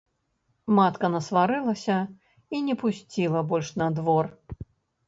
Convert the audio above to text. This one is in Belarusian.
Матка насварылася і не пусціла больш на двор.